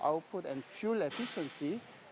output dan efisiensi minyak terbaik